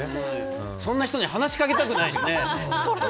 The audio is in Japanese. そんな人に話しかけたくないしね。